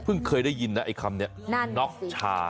เพิ่งเคยได้ยินนะอีกคำเนี่ยนอกชา